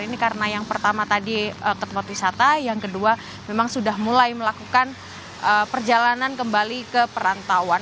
ini karena yang pertama tadi ke tempat wisata yang kedua memang sudah mulai melakukan perjalanan kembali ke perantauan